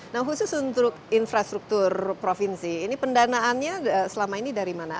nah khusus untuk infrastruktur provinsi ini pendanaannya selama ini dari mana